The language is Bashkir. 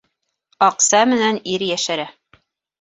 Аҡса менән ир йәшәрә.